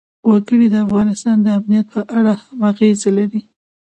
وګړي د افغانستان د امنیت په اړه هم اغېز لري.